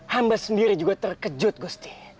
hamba sendiri juga terkejut gusti